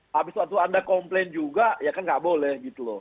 habis waktu anda komplain juga ya kan nggak boleh